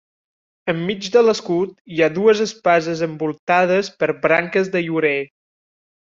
Enmig de l'escut hi ha dues espases envoltades per branques de llorer.